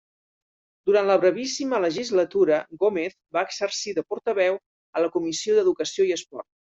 Durant la brevíssima legislatura, Gómez va exercir de portaveu a la comissió d'Educació i Esport.